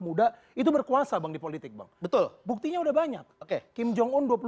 muda itu berkuasa bang di politik betul buktinya udah banyak oke kim jong un dua puluh tujuh